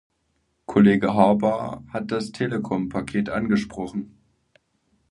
Kollege Harbour hat das Telekom-Paket angesprochen.